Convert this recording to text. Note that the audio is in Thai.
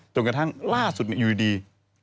จนกระทั่งล่าสุดอยู่ดี